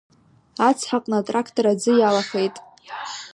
Ацҳаҟны атрақтор аӡы иалахеит…